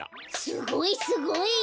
すごいすごい。